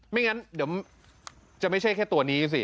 ไม่งั้นเดี๋ยวจะไม่ใช่แค่ตัวนี้สิ